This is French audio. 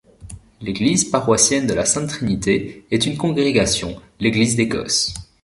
L’église paroissienne de la Sainte Trinité est une congrégation l’Église d'Écosse.